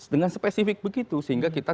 dengan spesifik begitu sehingga kita